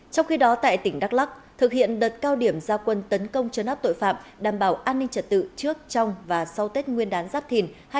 trong khi đó tại tỉnh đắk lắc thực hiện đợt cao điểm gia quân tấn công chấn áp tội phạm đảm bảo an ninh trật tự trước trong và sau tết nguyên đán giáp thìn